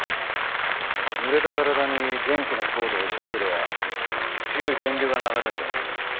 濡れた体に電気のコードを押し付けりゃ強い電流が流れるんだ。